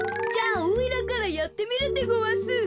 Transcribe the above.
じゃあおいらからやってみるでごわす。